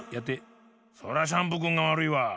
そらシャンプーくんがわるいわ。